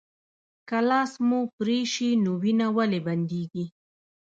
که لاس مو پرې شي نو وینه ولې بندیږي